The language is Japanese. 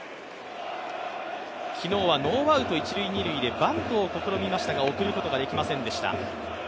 昨日はノーアウト一・二塁でバントを試みましたが、送ることができませんでした。